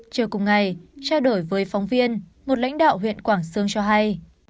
chiều cùng ngày trao đổi với phóng viên một lãnh đạo huyện quảng sương cho hay